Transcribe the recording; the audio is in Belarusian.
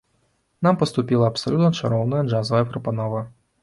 Нам паступіла абсалютна чароўная джазавая прапанова.